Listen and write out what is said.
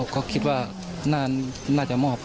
ก็คิดว่าน่าจะมอบครับ